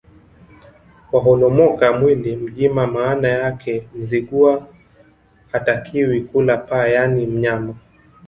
Waholomoka mwili mjima Maana yake Mzigua hatakiwi kula paa yaani mnyama